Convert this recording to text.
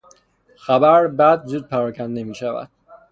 خبر بد زود پراکنده میشود.